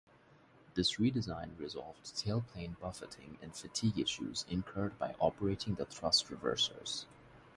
This redesign resolved tailplane buffeting and fatigue issues incurred by operating the thrust reversers.